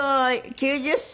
９０歳。